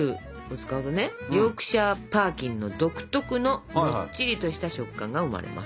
ヨークシャー・パーキンの独特のもっちりとした食感が生まれます。